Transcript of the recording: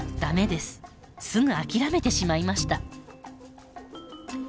すぐ諦めてしまいました。